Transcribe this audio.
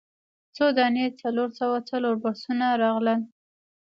څو دانې څلور سوه څلور بسونه راغلل.